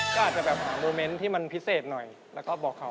ก็อาจจะแบบหาโมเมนต์ที่มันพิเศษหน่อยแล้วก็บอกเขา